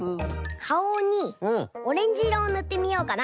かおにオレンジいろをぬってみようかな。